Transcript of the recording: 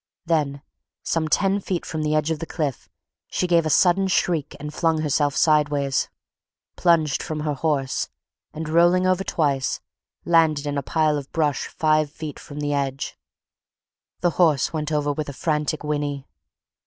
Then some ten feet from the edge of the cliff she gave a sudden shriek and flung herself sideways—plunged from her horse and, rolling over twice, landed in a pile of brush five feet from the edge. The horse went over with a frantic whinny.